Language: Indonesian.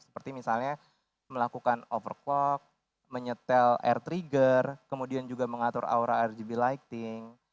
seperti misalnya melakukan overclock menyetel air trigger kemudian juga mengatur aura rgb lighting